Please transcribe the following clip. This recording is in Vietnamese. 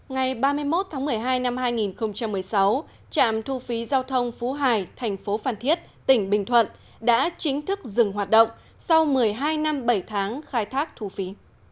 ngày ba mươi một tháng một mươi hai năm hai nghìn một mươi sáu trạm thu phí giao thông phú hải thành phố phan thiết tỉnh bình thuận đã chính thức dừng hoạt động sau một mươi hai năm bảy tháng khai thác thu phí